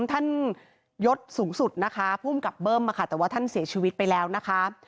ท่านยศสูงสุดนะคะภูมิกับเบิ้มแต่ว่าท่านเสียชีวิตไปแล้วนะคะ